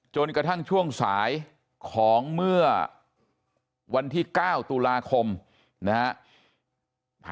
จนกระทั่งช่วงสายของเมื่อวันที่๙ตุลาคมนะฮะ